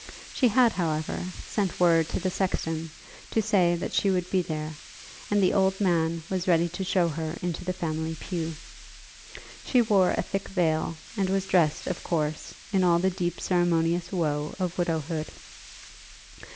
She had, however, sent word to the sexton to say that she would be there, and the old man was ready to show her into the family pew. She wore a thick veil, and was dressed, of course, in all the deep ceremonious woe of widowhood.